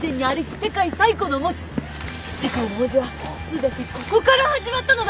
世界の文字は全てここから始まったのだ！